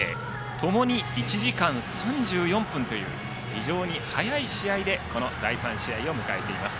共に１時間３４分という非常に早い試合でこの第３試合を迎えています。